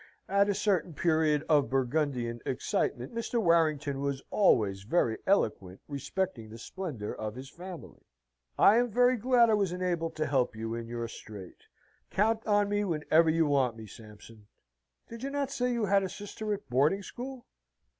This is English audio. At a certain period of Burgundian excitement Mr. Warrington was always very eloquent respecting the splendour of his family. "I am very glad I was enabled to help you in your strait. Count on me whenever you want me, Sampson. Did you not say you had a sister at boarding school?